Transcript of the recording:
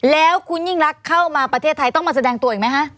แล้วคุณยิ่งรักเข้ามาประเทศไทยต้องมาแสดงตัวอีกไหมคะ